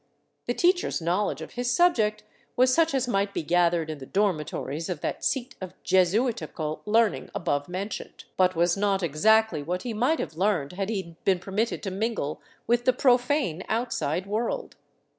The teacher's knowledge of his subject was 445 VAGABONDING DOWN THE ANDES such as might be gathered in the dormitories of that seat of Jesuitical learning above mentioned, but was not exactly what he might have learned had he been permitted to mingle with the profane outside world.